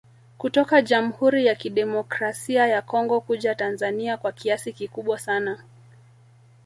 Kutoka jamhuri ya kidemokrasi ya Congo kuja Tanzania kwa kiasi kikubwa sana